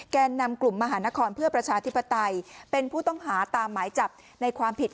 แก่นำกลุ่มมหานครเพื่อประชาธิปไตยเป็นผู้ต้องหาตามหมายจับในความผิด